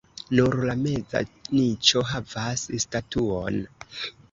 Nur la meza niĉo havas statuon.